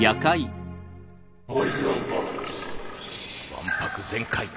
わんぱく全開。